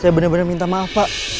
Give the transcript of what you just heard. saya bener bener minta maaf pak